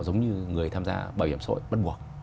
giống như người tham gia bảo hiểm xã hội bắt buộc